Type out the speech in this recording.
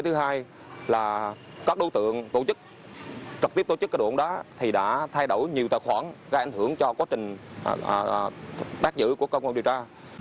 thứ hai là các đối tượng tổ chức trực tiếp tổ chức cá độ bóng đá thì đã thay đổi nhiều tài khoản gây ảnh hưởng cho quá trình bác giữ của công an điều tra